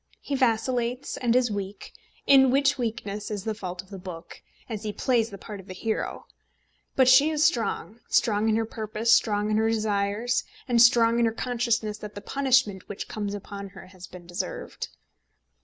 He vacillates and is weak, in which weakness is the fault of the book, as he plays the part of hero. But she is strong strong in her purpose, strong in her desires, and strong in her consciousness that the punishment which comes upon her has been deserved.